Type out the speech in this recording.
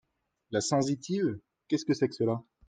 La sensitive ?… qu’est-ce que c’est que cela ?